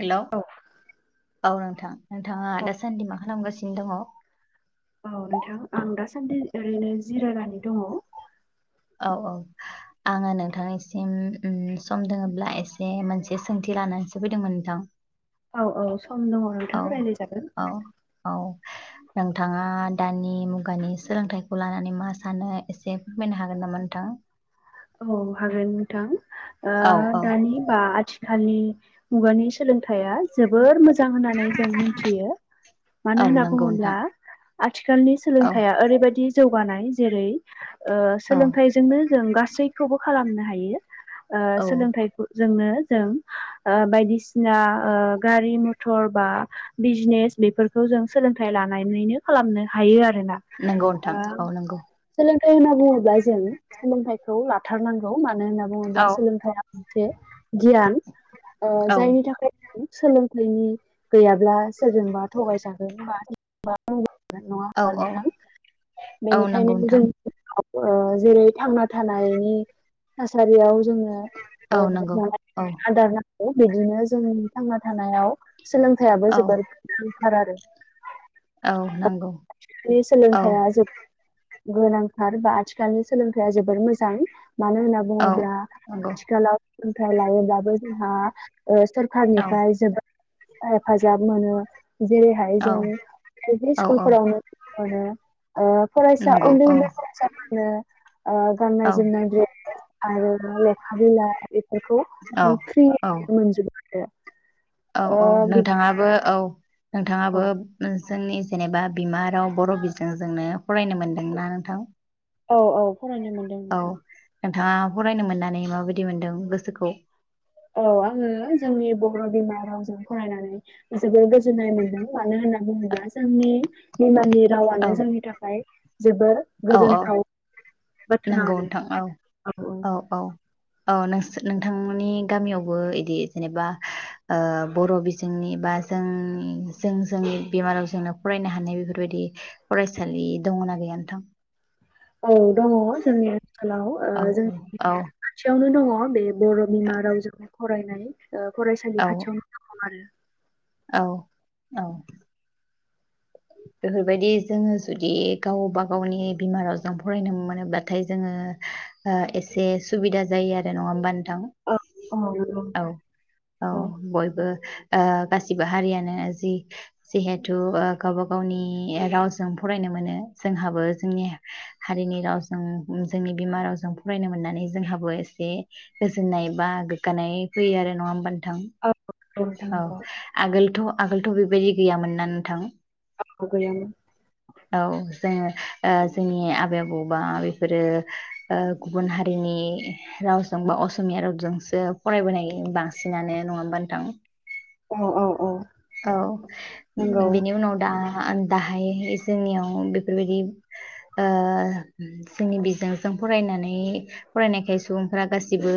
Hello औ औ नोंथां नोंथाङा औ दासान्दि मा खालामगासिनो? बिनो दङ। औ नोंथां आं दासान्दि ओरैनो जिरायनानैदं। औ औ। आङो नोंथांनिसिम सम दोङोब्ला एसे मोनसे सोंथि लानानैसो फैदोंमोन नोंथां? औ औ सम दङ औ नोंथां रायज्लाय जागोन। औ औ नोंथाङा दानि मुगानि सोलोंथाइखौ लानानै मा सानो एसे फोरमायनो हागोन नामा नोंथां? औ हागोन नोंथां। ओ औ औ दानि बा आथि खालनि मुगानि सोलोंथाइया जोबोर मोजां होननानै जों मिथियो। औ मानो होनना नंगौ नोंथां बुङोब्ला आथिखालनि औ सोलोंथाइआ ओरैबायदि जौगानाय जेरै ओ औ सोलोंथाइजोंनो जों गासैखौबो खालामनो हायो। ओ औ सोलोंथाइ जोंनो जों ओ बायदिसिना ओ गारि मथर बा बिजनेस बेफोरखौ जों सोलोंथा‌इ लानानैनो खालामनो हायो आरो। ओ नंगौ नोंथां औ नंगौ औ सोलोंथाइ होनना बुङोब्ला जों सोलोंथ लाथार नांगौ। मानो होनना औ बुङोब्ला सोलोंथया मोनसे गियान औ जायनि थाखाय सोलोंथाइनि गैयाब्ला सोरजोंबा थगायजागोन नङा होनबा नोंथां औ नंगौ बेनिखायनो नोंथां जों जेरै थांना थानायनि थासारियाव जोङो औ ओ नंगौ औ आदार बिदिनो जोंनि थांना थानायाव सोलोंथाइयाबो औ जोबोर गोनांथार आरो औ नंगौ औ सोलोंथाइया जोब गोनांथार बा आथिखालनि सोलोंथाइया जोबोर मोजां मानो होनना औ बुङोब्ला नंगौ आथिखालाव सोलोंथाइ लायोब्लाबो जोंहा औ सरखारनिफ्राय जोबोद हेफाजाब मोनो जेरैहाय औ जों एल पि औ औ स्कुलफोरावनो फरायसा नंगौ उन्दै - औ उन्दै फरायसाफोरनो औ गाननाय - जोमनाय द्रेस आरो लेखा बिलाइ बेखौ औ फ्रि औ मोनजोबो आरो औ - औ ओ बिदि नोंथाङाबो औ औ नोंथाङाबो जोंनि जेनेबा बिमा राव बर' बिजों जोंनो फरायनो मोनदोंना नोंथां फरायनो मोनदों औ नोंथां। नोंथाङा फरायनो मोननानै माबायदि मोनदों गोसोखौ औ आङो जोंनि बर' बिमा रावजों फरायनानै जोबोद नाय मोनदों मानो होननानै बुङोब्ला जोंनि बिमानि औ रावानो जोंनि थाखाय जोबोर औ औ गोजोनथाव बाथ्रा नंगौ आरो नोंथां औ -औ -औ औ नों नोंथांमोननि गामियावबो बिदि जेनेबा बर' बिजोंनि बा जों जों जोंनि बिमा रावजोंनो फरायनो हानाय बेफोरबायदि फरायसालि दङ ना गैया गैया नोंथां औ दङ जोंनि ओनसोलाव औ जोंनि औ खाथियावनो दङ बे बर' बिमा रावजों फरायनाय फरायसालि खाथियावनो दङ आरो औ- औ बेफोरबायदि जोङो जुदि गावबा गावनि बिमा रावजों फरायनो मोनोब्लाथाय जोङो एसे सुबिदा जायो आरो नङा होनबा नोंथां औ औ नंगौ औ- औ बयबो ओ गासिबो हारियानो जि जिहेथु गावबा गावनि रावजों फरायनो मोनो जोंहाबो जोंनि हारिनि रावजों जोंनि बिमा रावजों फरायनो मोननानै जोंहाबो एसे गोजोननाय बा गोग्गानाय फैयो आरो नङा होमबा नोथां औ नंगौ नोंथां औ नंगौ आगोलथ' आगोलथ' बेबायदि गैयामोन ना नोंथां गैयामोन औ जोङो जोंनि आबै- आबौबा बेफोरो गुबुन हारिनि रावजों बा असमिया रावजोंसो फरायबोनाय बांसिनानो नङा होनबा नोंथां औ- औ- औ औ नंगौ बेनि उनाव दा दाहाय जोंनियाव बेफोरबायदि ओ जोंनि बिजोंजों फरायनानै फरायनायखाय सुबुंफोरा गासिबो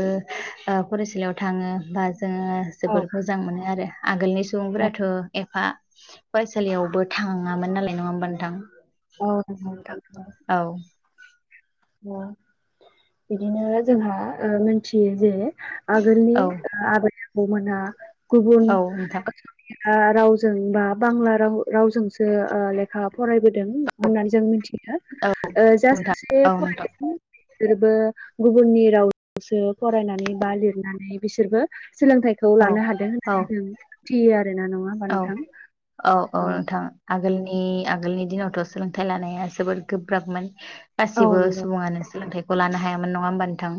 फरायसालियाव थाङो बा जोङो औ जोबोद मोजां मोनो आरो आगोलनि औ सुबुंफोरा थ' एफा फरायसालियावबो थाङामोन नालाय नङा होमबा नोंथां [unintelligible] औ बिदिनो जोंहा मोनथियो जे आगोलनि औ आबै- आबौमोनहा गुबुन औ नोंथां रावजों बा बांला राव रावजोंसो लेखा फरायबोदों होननानै जों मिथिया औ जा नोंथां सासे औ नोंथां फरायनायनि बिसोरबो गुबुननि रावसो फरायनानै बा लिरनानै बिसोरबो सोलोंथाइखौ औ लानो हादों औ होननानै जों मिथियो आरो औ -औ -औ नोंथां आगोलनि आगोलनि दिनाव - थ' सोलोंथाइ लानाया जोबोद गोब्राबमोन। औ गासिबो नंगौ सुबङानो सोंलोंथाइ खौ लानो हायामोन, नङा होमबा नोंथां?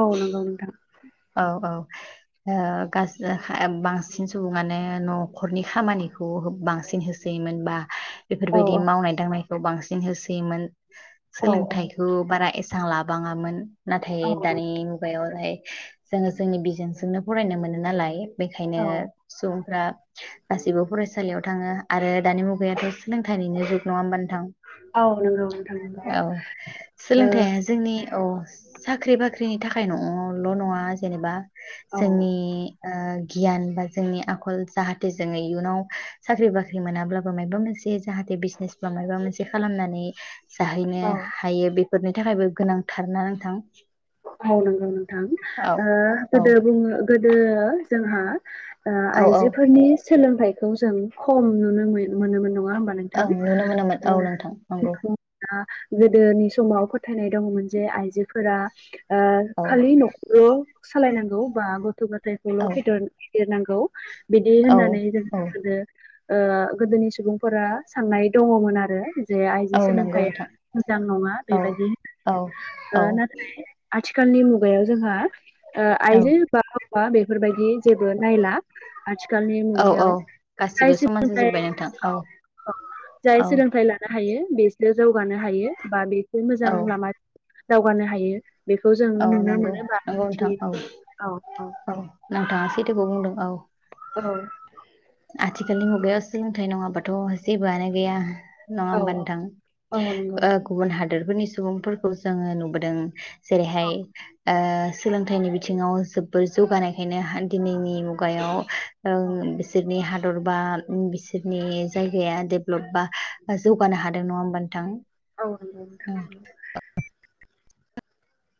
औ नंगौ नोंथां। औ औ ओ गासो बांसिन सुबुङानो न' खरनि खामानिखौ होब बांसिन होसोयोमोन बा औ बेफोरबायदि मावनाय दांनाय खौ बांसिन होसोयोमोन। औ सोलोंथाइखौ बारा एसां लाबाङामोन। नाथाय औ दानि मुगायावहाय जोङो जोंनि बिजोंजोंनो फरायनो मोनो नालाय। बेखायनो औ सुबुंफ्रा गासिबो फरायसालियाव थाङो आरो दानि मुगायाथ' सोलोंथाइनिनो जुग, नङा होमबा नोंथां? औ नंगौ नोंथां नंगौ औ ओ सोलोंथाइया जोंनि औ। साख्रि बाख्रिनि थाखाय न'ल' नङा जेनेबा जोंनि ओ गियान बा जोंनि आखल जाहाथे जोङो इयुनाव साख्रि बाख्रि मोनाब्लाबो मायबा मोनसे जे जाहाथे बिजनेस बा मायाबा मोनसे खालामनानै जाहैनो औ हायो बे फोरनि थाखायबो गोनांथार ना नोंथां? औ नंगौ नोंथां। औ ओ औ गोदो बुङो गोदो जोंहा ओ औ औ आइजोफोरनि सोलोंथाइखौ जों खम नुनो मोन-मोनोमोन। नङा होमबा नोंथां? ओं नुनो मोनोमोन औ नोंथां नंगौ [unintelligible] गोदोनि समाव फोथायनाय दङमोन जे आइजोफोरा ओ औ खालि न'खौल' सालायनांगौ बा गथ' गथायखौल' औ फेदर फेदेरनांगौ। बिदि औ होननानै औ जोंनो [unintelligible] ओ गोदोनि सुबुंफोरा साननाय दङमोन आरो। जे आइजो औ नंगौ सोलोंथाइया नोंथां मोजां नङा औ बेबायदि [unintelligible] ओ औ नाथाय आथिखालनि मुगायाव जोंहा ओ औ आइजो बा हौवा बेफोरबादि जेबो नायला आथिखालनि औ औ मुगायाव। जाय गासिबो समान सोलोंथाइ जाजोब्बाय नोंथां औ औ जाय औ सोलोंथाइ लाना हायो बेसो जौगानो हायो बा बेसो मोजां औ लामा दावगानो हायो। बेखौ जों औ नुनो नंगौ मोनो बा औ नोंथां मिथियो औ औ नोंथाङा सैथोखौ बुंदों औ। औ। आथिखालनि मुगायाव सोलोंथाइ नङाबाथ' जेबोआनो गैया। नङा औ होमबा नोंथां? औ नंगौ ओ गुबुन हादोरफोरनि सुबुंफोरखौ जोङो नुबोदों, औ जेरैहाय ओ सोलोंथाइनि बिथिङाव जोबोर जौगानायखायनो हा दिनायनि मुगायाव औ ओं बि हादर बा बिसोरनि जायगाया डेपलप बा जौगानो हादों नङा होमबा नोंथां? औ ओ नंगौ नोंथां।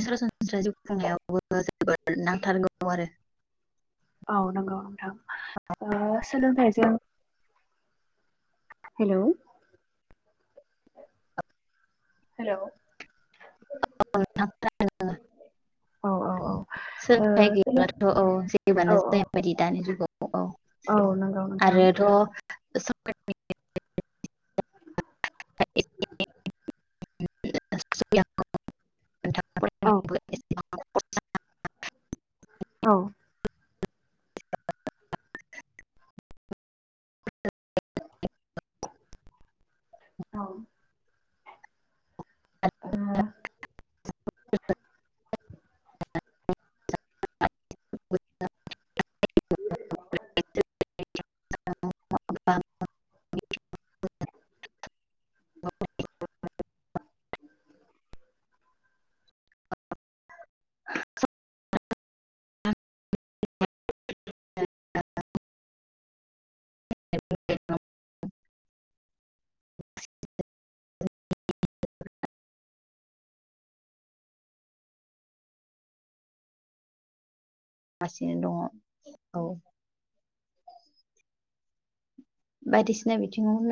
सरासनस्रायै जिउ खुंनायावबो जोबोर नांथारगौ आरो। औ नंगौ नोंथां। ओ सोलोंथाइजों हेलौ? हेलौ। [unintelligible] औ औ औ ओ सोलोंथाइ सोलों गैयाबाथ' औ जेबोयानो औ जाया बादि दानि जुगाव। नंगौ औ नोंथां आरोथ' [unintelligible] [unintelligible] औ। फरायनायावबो [unintelligible] औ। [unintelligible] औ। [inaudible] [inaudible] [unintelligible] [unintelligible] [unintelligible] हासिनो दङ औ बायदिसिना बिथिङाव लाय